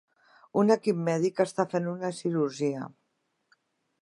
Un equip mèdic està fent una cirurgia